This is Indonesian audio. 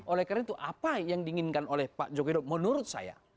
oleh karena itu apa yang diinginkan oleh pak joko widodo menurut saya